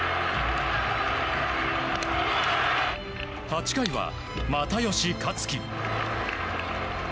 ８回は、又吉克樹。